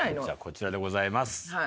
じゃあこちらでございます。